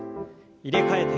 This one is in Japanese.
入れ替えて。